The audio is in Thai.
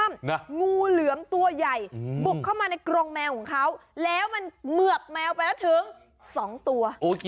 เมือบไปแล้วสองตัว